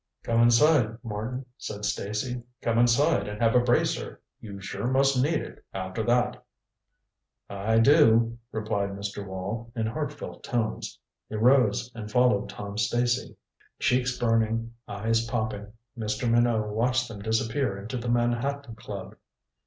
"Come inside, Martin," said Stacy. "Come inside and have a bracer. You sure must need it, after that." "I do," replied Mr. Wall, in heartfelt tones. He rose and followed Tom Stacy. Cheeks burning, eyes popping, Mr. Minot watched them disappear into the Manhattan Club.